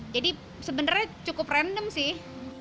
jadi sebenarnya cukup random sih